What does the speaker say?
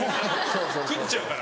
食っちゃうから。